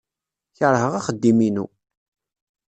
Keṛheɣ axeddim-inu.